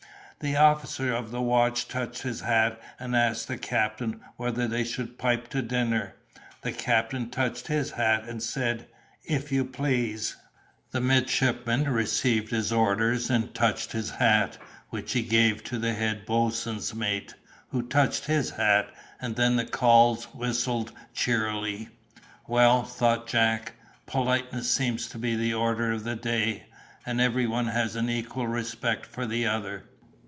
The officer of the watch touched his hat and asked the captain whether they should pipe to dinner—the captain touched his hat and said, "if you please." The midshipman received his orders, and touched his hat, which he gave to the head boatswain's mate, who touched his hat, and then the calls whistled cheerily. "Well," thought Jack, "politeness seems to be the order of the day, and every one has an equal respect for the other."